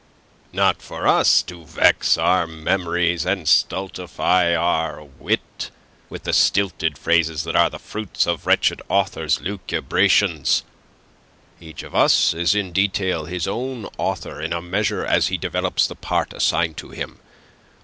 Not for us to vex our memories and stultify our wit with the stilted phrases that are the fruit of a wretched author's lucubrations. Each of us is in detail his own author in a measure as he develops the part assigned to him.